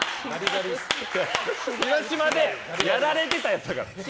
広島でやられてたやつだから。